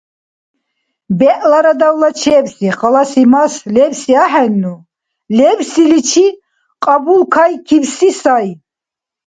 БегӀлара давлачевси — халаси мас лебси ахӀенну, лебсиличи кьабулкайкибси сай.